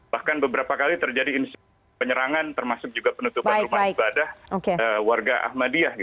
bahkan beberapa kali terjadi insiden penyerangan termasuk juga penutupan rumah ibadah warga ahmadiyah